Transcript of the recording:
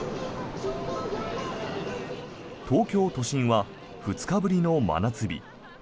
東京都心は２日ぶりの真夏日。